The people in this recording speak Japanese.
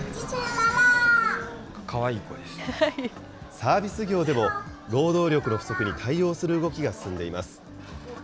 サービス業でも、労働力の不足に対応する動きが進んでいます。